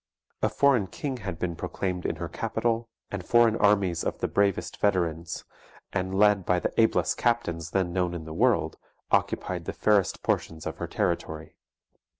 A foreign King had been proclaimed in her capital; and foreign armies of the bravest veterans, and led by the ablest captains then known in the world, occupied the fairest portions of her territory.